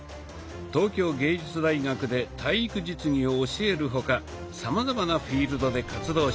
東京藝術大学で体育実技を教える他さまざまなフィールドで活動しています。